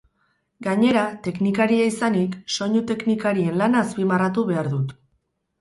Gainera, teknikaria izanik, soinu teknikarien lana azpimarratu behar dut.